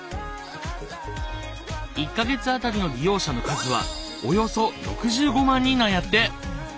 １か月当たりの利用者の数はおよそ６５万人なんやって！